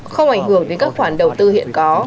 không ảnh hưởng đến các khoản đầu tư hiện có